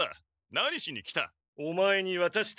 何しに来た？